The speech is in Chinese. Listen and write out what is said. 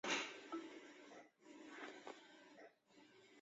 波叶异木患为无患子科异木患属下的一个种。